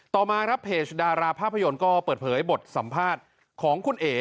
ต่อมาครับเพจดาราภาพยนตร์ก็เปิดเผยบทสัมภาษณ์ของคุณเอ๋